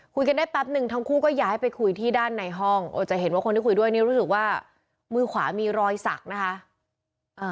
คุยกันได้แป๊บนึงทั้งคู่ก็ย้ายไปคุยที่ด้านในห้องจะเห็นว่าคนที่คุยด้วยนี่รู้สึกว่ามือขวามีรอยสักนะคะ